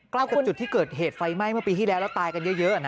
ใกล้กับจุดที่เกิดเหตุไฟไหม้เมื่อปีที่แล้วแล้วตายกันเยอะ